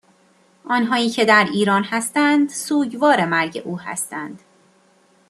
آنهایی که در ایران هستند سوگوار مرگ او هستند